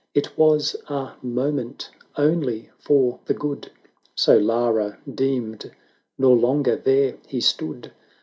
170 It was a moment only for the good: So Lara deemed, nor longer there he stood.